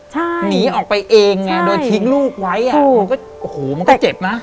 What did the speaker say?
ใช่หนีออกไปเองโดยทิ้งลูกไว้มันก็เจ็บนะ